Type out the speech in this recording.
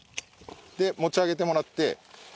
で持ち上げてもらって。